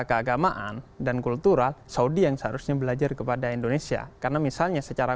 keagamaan dan kultural saudi yang seharusnya belajar kepada indonesia karena misalnya secara